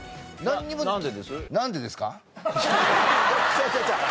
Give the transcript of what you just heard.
違う違う違う。